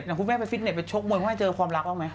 รู้ไหมครับคุณแม่ไปฟิตเนสไปโชคมือมาเจอความรักแล้วไม่